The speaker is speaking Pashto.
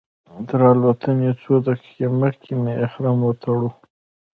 تر الوتنې څو دقیقې مخکې مې احرام وتړلو.